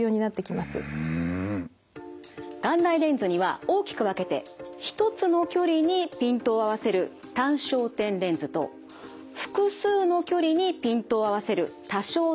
眼内レンズには大きく分けて一つの距離にピントを合わせる単焦点レンズと複数の距離にピントを合わせる多焦点レンズの２種類あります。